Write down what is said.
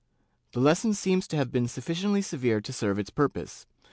The lesson seems to have been sufficiently severe to serve its purpose.